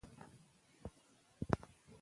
یوګا د بدن انعطاف لوړوي.